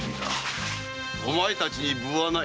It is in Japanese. お前たちに分はないな。